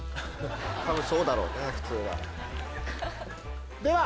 そうだろうね普通は。